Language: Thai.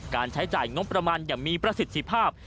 ใช้จ่ายงบประมาณอย่างมีประสิทธิภาพ